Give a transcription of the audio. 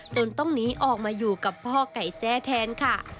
ต้องหนีออกมาอยู่กับพ่อไก่แจ้แทนค่ะ